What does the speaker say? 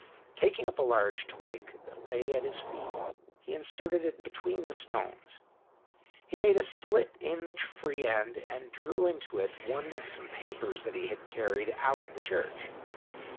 Taking up a large twig that lay at his feet, he inserted it between the stones. He made a slit in the free end and drew into it one of some papers that he had carried out of the Church.